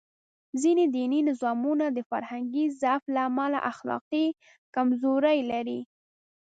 ځینې دیني نظامونه د فرهنګي ضعف له امله اخلاقي کمزوري لري.